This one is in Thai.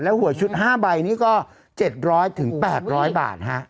แล้วหวยชุด๕ใบนี้ก็๗๐๐๘๐๐บาท